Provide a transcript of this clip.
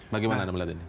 bagaimana anda melihat ini